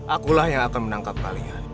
akulah yang akan menangkap kalian